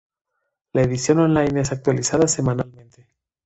La edición online es actualizada semanalmente.